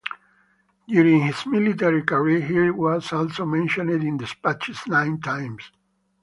During his military career he was also mentioned in despatches nine times.